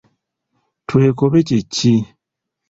Twekobe kye ki?